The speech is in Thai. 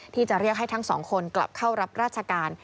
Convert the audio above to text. ที่จะเรียกให้ทั้งสองคนกลับเข้ารับราชการ